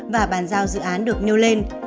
và bàn giao dự án được nêu lên